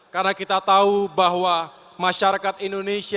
karena kita tahu bahwa masyarakat indonesia